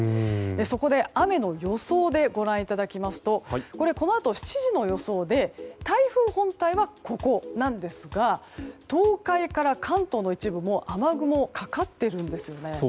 そこで雨の予想でご覧いただきますとこのあと７時の予想で台風本体はここなんですが東海から関東の一部雨雲がもうかかっているんです。